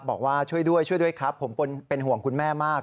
บอกว่าช่วยด้วยช่วยด้วยครับผมเป็นห่วงคุณแม่มาก